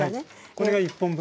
これが１本分。